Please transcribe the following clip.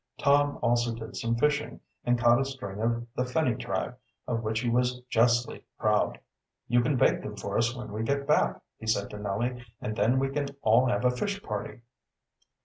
Tom also did some fishing, and caught a string of the finny tribe, of which he was justly proud. "You can bake them for us when we get back," he said to Nellie. "And then we can all have a fish party."